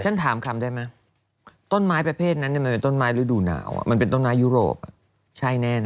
ถามคำได้ไหมต้นไม้ประเภทนั้นมันเป็นต้นไม้ฤดูหนาวมันเป็นต้นไม้ยุโรปใช่แน่นะ